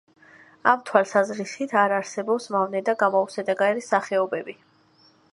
ამ თვალსაზრისით არ არსებობს მავნე და გამოუსადეგარი სახეობები.